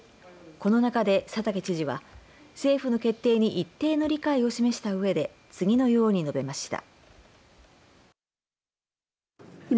この中で佐竹知事は政府の決定に一定の理解を示したうえで次のように述べました。